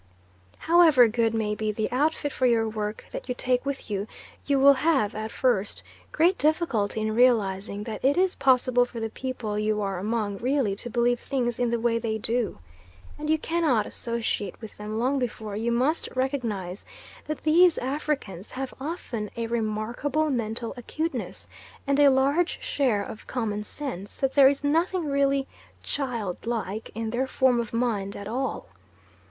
However good may be the outfit for your work that you take with you, you will have, at first, great difficulty in realising that it is possible for the people you are among really to believe things in the way they do. And you cannot associate with them long before you must recognise that these Africans have often a remarkable mental acuteness and a large share of common sense; that there is nothing really "child like" in their form of mind at all.